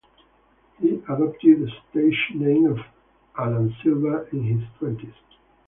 He adopted the stage name of Alan Silva in his twenties.